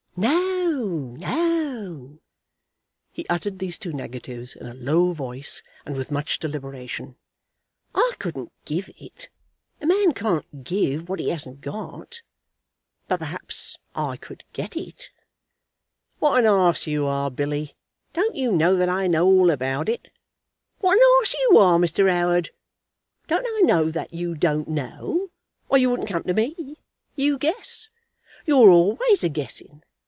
"No ; no " He uttered these two negatives in a low voice, and with much deliberation. "I couldn't give it. A man can't give what he hasn't got; but perhaps I could get it." "What an ass you are, Billy. Don't you know that I know all about it?" "What an ass you are, Mr. 'Oward. Don't I know that you don't know; or you wouldn't come to me. You guess. You're always a guessing.